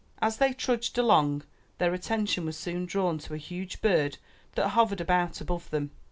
As they trudged along, their attention was soon drawn to a huge bird that hovered about above them.